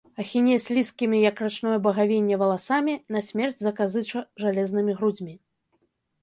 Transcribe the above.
Ахіне слізкімі, як рачное багавінне, валасамі, насмерць заказыча жалезнымі грудзьмі.